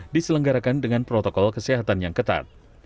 diselenggarakan dengan perkembangan